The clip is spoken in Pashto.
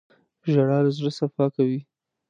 • ژړا د زړه صفا کوي.